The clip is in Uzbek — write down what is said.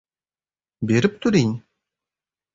Berib turing